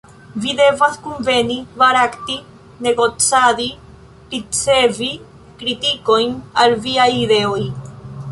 Vi devas kunveni, barakti, negocadi, ricevi kritikojn al viaj ideoj.